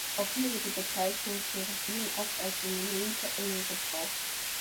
Auch hier wird die Bezeichnung "Cherubim" oft als Synonym für Engel gebraucht.